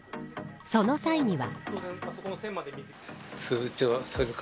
その際には。